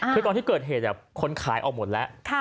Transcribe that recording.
คือตอนที่เกิดเหตุคนขายออกหมดแล้ว